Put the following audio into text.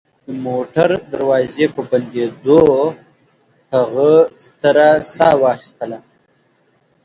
د موټر دروازې په بندېدو هغه ستره ساه واخیستله